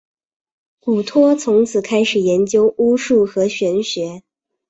古托从此开始研究巫术和玄学。